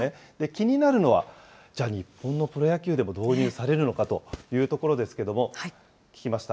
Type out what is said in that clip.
気になるのは、じゃあ日本のプロ野球でも導入されるのかというところですけれども、聞きました。